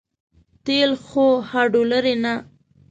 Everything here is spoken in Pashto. تېل خو هډو لري نه.